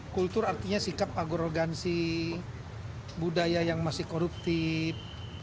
kultur artinya sikap agrogansi budaya yang masih koruptif